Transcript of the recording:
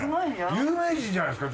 有名人じゃないですか